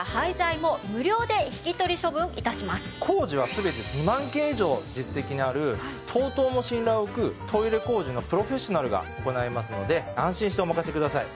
工事は全て２万件以上実績のあるＴＯＴＯも信頼をおくトイレ工事のプロフェッショナルが行いますので安心してお任せください。